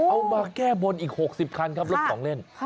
เอามาแก้บนอีก๖๐คันครับรถของเล่น